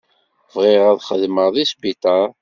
Bɣiɣ ad xedmeɣ deg sbiṭaṛ.